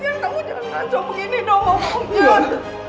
kamu jangan ngancung begini dong